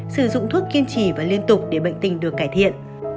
sử dụng thuốc kiên trì và liên tục để bệnh tình được cải thiện